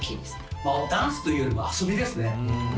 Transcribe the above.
ダンスというよりも遊びですね。